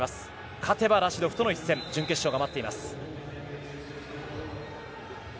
勝てばラシドフとの一戦準決勝が待っています。